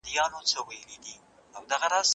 هغه ملګری چې په هوټل کې و، اوس په کار بوخت دی.